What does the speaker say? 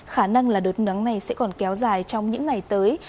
khả năng là đợt nắng này sẽ còn kéo dài trong những ngày tới